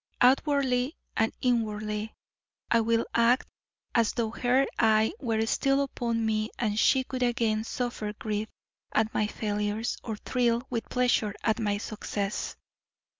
Outwardly and inwardly, I will act as though her eye were still upon me and she could again suffer grief at my failures or thrill with pleasure at my success."